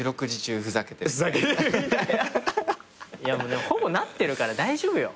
でもほぼなってるから大丈夫よ。